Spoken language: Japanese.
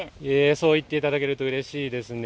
そう言っていただけるとうれしいですね。